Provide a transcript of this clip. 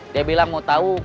dia bilang mau tahu